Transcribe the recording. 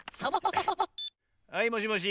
はいもしもし。